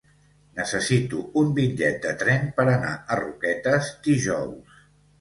Necessito un bitllet de tren per anar a Roquetes dijous.